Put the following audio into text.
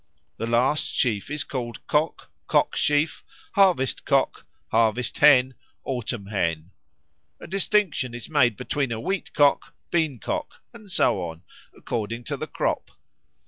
The last sheaf is called Cock, Cock sheaf, Harvest cock, Harvest hen, Autumn hen. A distinction is made between a Wheat cock, Bean cock, and so on, according to the crop.